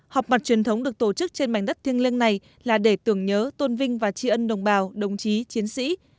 họp mặt truyền thống được tổ chức trên mảnh đất thiêng liêng này là để tưởng nhớ tôn vinh và tri ân đồng bào đồng chí chiến sĩ